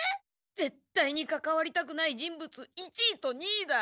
ぜっ対にかかわりたくない人物１位と２位だ。